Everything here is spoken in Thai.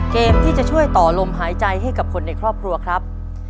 เกมที่จะช่วยต่อลมหายใจให้กับคนในครอบครัวครับ